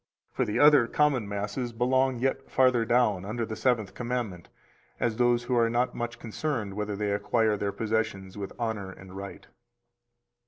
For the other common masses belong yet farther down, under the Seventh Commandment, as those who are not much concerned whether they acquire their possessions with honor and right.